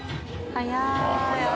早い！